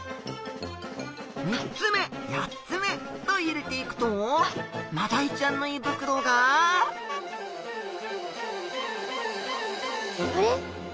３つ目４つ目と入れていくとマダイちゃんの胃袋があれ？